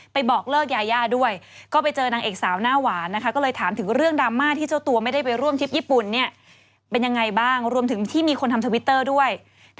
ไปบอกเลิกยาย่าด้วย